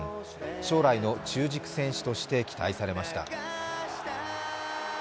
将来の中軸選手として期待されました。